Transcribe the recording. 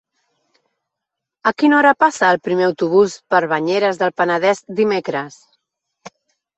A quina hora passa el primer autobús per Banyeres del Penedès dimecres?